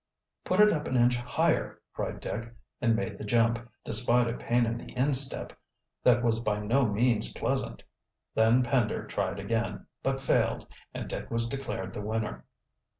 "Put it up an inch higher," cried Dick, and made the jump, despite a pain in the instep that was by no means pleasant. Then Pender tried again, but failed, and Dick was declared the winner.